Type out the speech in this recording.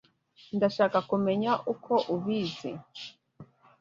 Ndashaka kumenya uko ubizi.